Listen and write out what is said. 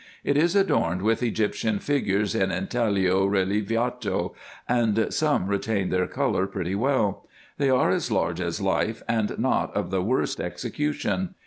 It is adorned with Egyptian figures in intaglio relievato, and some retain their colour pretty well. They are as large as life, and not of the worst execution.